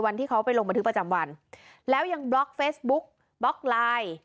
วันที่เขาไปลงบันทึกประจำวันแล้วยังบล็อกเฟซบุ๊กบล็อกไลน์